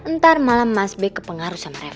ntar malah mas be kepengaruh sama reva